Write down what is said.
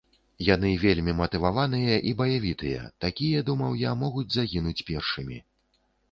Яны вельмі матываваныя і баявітыя, такія, думаў я, могуць загінуць першымі.